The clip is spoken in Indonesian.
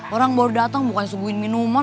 orang baru datang bukannya sembuhin minuman